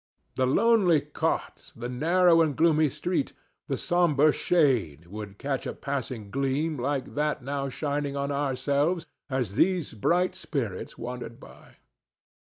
The lonely cot, the narrow and gloomy street, the sombre shade, would catch a passing gleam like that now shining on ourselves as these bright spirits wandered by.